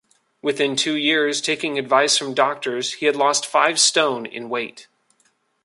Within two years, taking advice from doctors, he had lost five stone in weight.